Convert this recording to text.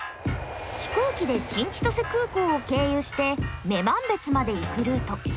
飛行機で新千歳空港を経由して女満別まで行くルート。